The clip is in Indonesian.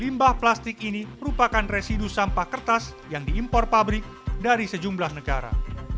limbah plastik ini merupakan residu sampah kertas yang diimpor pabrik dari sejumlah negara